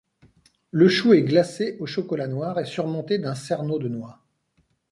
Le chou est glacé au chocolat noir et surmonté d'un cerneau de noix.